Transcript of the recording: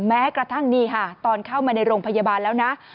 แม้กระทั่งนี่ค่ะตอนเข้ามาในโรงพยาบาลแล้วนะ